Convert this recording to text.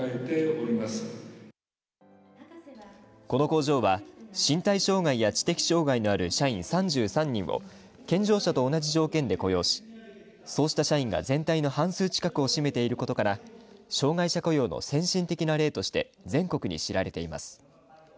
この工場は身体障害や知的障害のある社員３３人を健常者と同じ条件で雇用しそうした社員が全体の半数近くを占めていることから障害者雇用の先進的な例として全国に知られています。